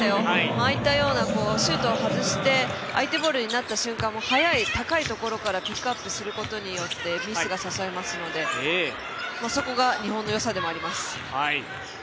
ああいったような、シュートを外して、相手ボールになった瞬間も速い、高いところからピックアップすることによってミスが誘えますのでそこが日本の良さでもあります。